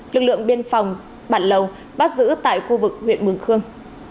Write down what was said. lực lượng biên phòng bản lầu bắt giữ tại khu vực huyện mường khương